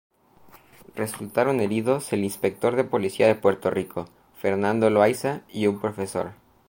Resultaron heridos el inspector de Policía de Puerto Rico, Fernando Loaiza, y un profesor.